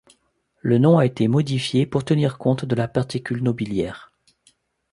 Le nom a été modifié pour tennir compte de la particule nobiliaire.